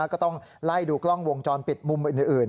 ก็ต้องไล่ดูกล้องวงจรปิดมุมอื่น